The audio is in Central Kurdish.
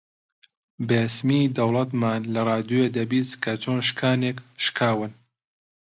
بێسیمی دەوڵەتمان لە ڕادیۆ دەبیست کە چۆن شکانێک شکاون